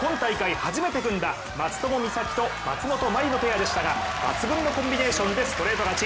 初めて組んだ松友美佐紀と松本麻佑のコンビでしたが抜群のコンビネーションでストレート勝ち。